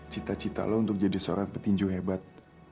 cita cita lo untuk jadi seorang petinju hebat